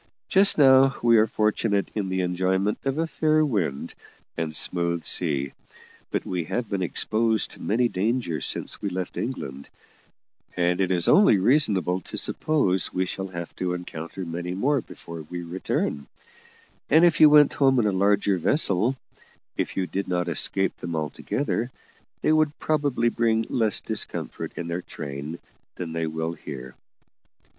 Just now we are fortunate in the enjoyment of a fair wind and smooth sea, but we have been exposed to many dangers since we left England, and it is only reasonable to suppose we shall have to encounter many more before we return; and if you went home in a larger vessel, if you did not escape them altogether, they would probably bring less discomfort in their train than they will here."